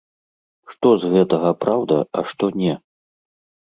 Што з гэтага праўда, а што не?